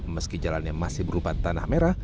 meski jalannya masih berupa tanah merah